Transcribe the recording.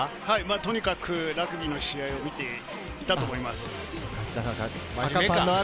とにかくラグビーの試合を見ていたと思います。